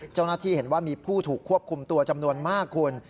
เจ้าหน้าที่เห็นว่ามีผู้ถูกควบคุมตัวจำนวนมากคุณ